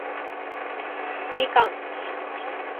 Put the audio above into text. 蜜柑